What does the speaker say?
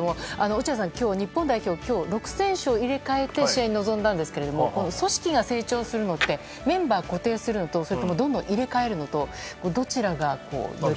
落合さん、今日日本代表６選手を入れ替えて試合に臨んだんですが組織が成長するのってメンバー固定するのとどんどん入れ替えるのとどちらがより良い？